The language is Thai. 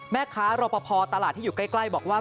รอปภตลาดที่อยู่ใกล้บอกว่า